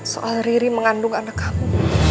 soal riri mengandung anak aku